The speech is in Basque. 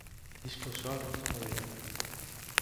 Disko osoak entzungo dira.